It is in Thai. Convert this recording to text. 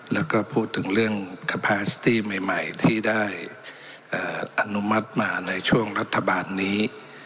แล้วก็พูดถึงเรื่องคาพาสตี้ใหม่ที่ได้อนุมัติมาในช่วงรัฐบาลนี้